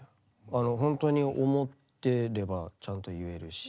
ほんとに思ってればちゃんと言えるし。